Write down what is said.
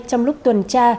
trong lúc tuần tra